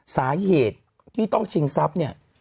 สาเหตุที่ต้องชิงทรัพย์เนี่ย